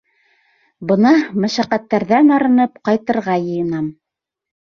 Бына, мәшәҡәттәрҙән арынып, ҡайтырға йыйынам.